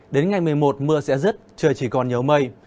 đến ngày một mươi một mưa sẽ rứt trời chỉ còn nhớ mây